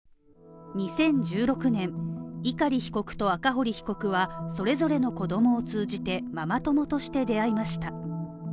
２０１６年、碇被告と赤堀被告はそれぞれの子供を通じてママ友として出会いました。